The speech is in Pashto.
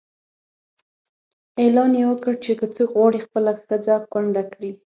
اعلان یې وکړ چې که څوک غواړي خپله ښځه کونډه کړي.